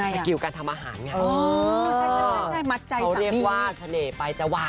ยังไงอ่ะใช่มัดใจสามีเขาเรียกว่าทะเน่ไปจะหวาด